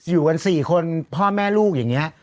อยู่กัน๔คนพ่อแม่ลูกอย่างนี้